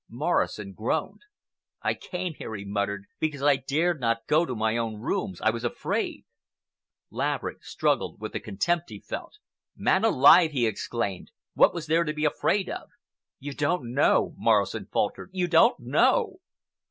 Morrison groaned. "I came here," he muttered, "because I dared not go to my own rooms. I was afraid!" Laverick struggled with the contempt he felt. "Man alive," he exclaimed, "what was there to be afraid of?" "You don't know!" Morrison faltered. "You don't know!"